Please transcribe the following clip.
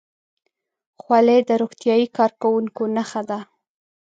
خولۍ د روغتیايي کارکوونکو نښه ده.